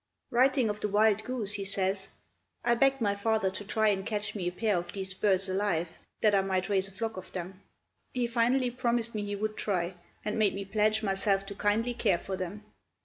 Writing of the wild goose, he says: "I begged my father to try and catch me a pair of these birds alive, that I might raise a flock of them. He finally promised me he would try, and made me pledge myself to kindly care for them.